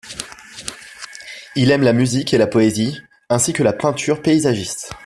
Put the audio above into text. Il aime la musique et la poésie, ainsi que la peinture paysagiste.